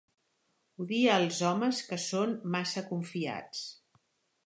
Odia els homes que són massa confiats.